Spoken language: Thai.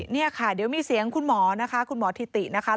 นี่ค่ะเดี๋ยวมีเสียงคุณหมอนะคะคุณหมอถิตินะคะ